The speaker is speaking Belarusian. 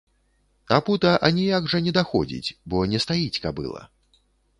А пута аніяк жа не даходзіць, бо не стаіць кабыла.